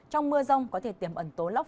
trong mưa rông có thể tiềm ẩn tố lóc